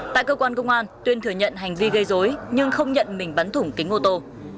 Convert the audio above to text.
tại cơ quan công an tuyên thừa nhận hành vi gây dối nhưng không nhận mình bắn thủng kính ô tô